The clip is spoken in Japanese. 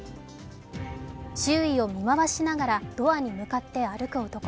周囲を見回しながらドアに向かって歩く男。